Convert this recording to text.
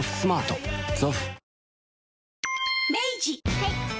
はい。